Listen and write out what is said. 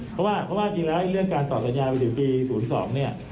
เพราะว่าจริงแล้วเรื่องการตอบสัญญาณวิธีปีศูนย์ที่๒